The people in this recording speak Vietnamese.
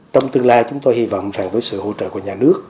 trong tương lai chúng tôi hy vọng rằng với sự hỗ trợ của nhà nước